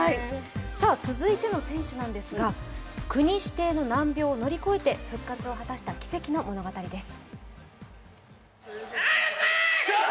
続いての選手なんですが、国指定の難病を乗り越えて復活を果たした奇跡の物語です。